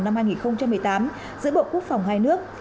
năm hai nghìn một mươi tám giữa bộ quốc phòng hai nước